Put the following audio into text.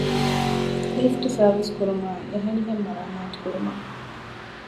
ލިފްޓް ސާރވިސް ކުރުމާއި އެހެނިހެން މަރާމާތު ކުރުމަށް